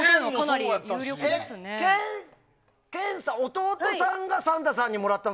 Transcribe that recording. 弟さんがサンタさんにもらったの？